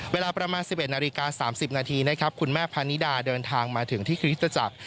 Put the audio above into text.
เวลาประมาณ๑๑นาฬิกา๓๐นาทีนะครับคุณแม่พาณิดาเดินทางมาถึงที่คริสตจักร